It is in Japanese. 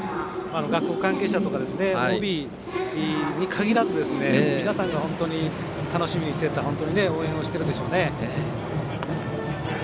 学校関係者とかＯＢに限らず皆さんが本当に楽しみにしていて応援しているんでしょうね。